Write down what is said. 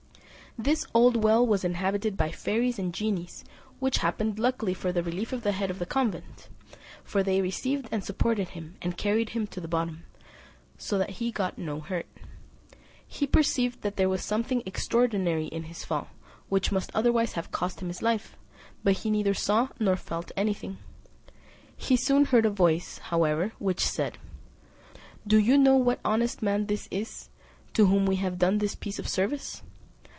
This old well was inhabited by fairies and genies, which happened luckily for the relief of the head of the convent; for they received and supported him, and carried him to the bottom, so that he got no hurt. He perceived that there was something extraordinary in his fall, which must otherwise have cost him his life; but he neither saw nor felt anything. He soon heard a voice, however, which said, "Do you know what honest man this is, to whom we have done this piece of service?"